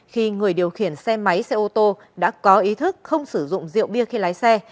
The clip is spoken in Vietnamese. khi người điều khiển xe máy xe ô tô đã có ý thức không sử dụng rượu bia khi lái xe